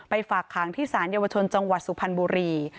ฝากขังที่สารเยาวชนจังหวัดสุพรรณบุรี